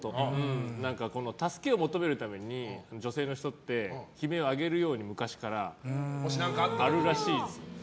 助けを求めるために女性の人って悲鳴を上げるように昔からあるらしいですよ。